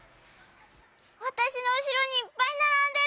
わたしのうしろにいっぱいならんでる！